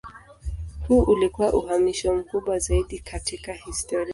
Huu ulikuwa uhamisho mkubwa zaidi katika historia.